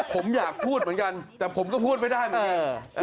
ผมอยากพูดเหมือนกันแต่ผมก็พูดไม่ได้เหมือนกัน